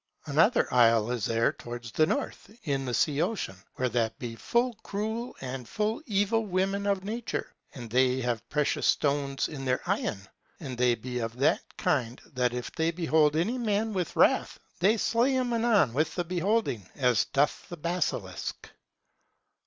Another isle is there toward the north, in the sea Ocean, where that be full cruel and full evil women of nature. And they have precious stones in their eyen. And they be of that kind, that if they behold any man with wrath, they slay him anon with the beholding, as doth the basilisk.